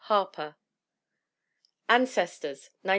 Harper. Ancestors, 1907.